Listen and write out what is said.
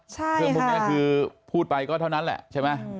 เรื่องพวกนี้คือพูดไปก็เท่านั้นแหละใช่ไหม